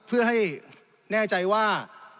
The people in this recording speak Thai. เพื่อให้แน่ใจว่า